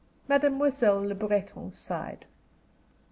Mademoiselle Le Breton sighed.